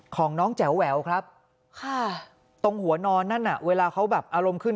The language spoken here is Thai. ของน้องแจ๋วแหววครับค่ะตรงหัวนอนนั่นน่ะเวลาเขาแบบอารมณ์ขึ้น